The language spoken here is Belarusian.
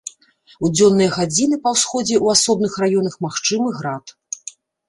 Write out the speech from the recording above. У дзённыя гадзіны па ўсходзе ў асобных раёнах магчымы град.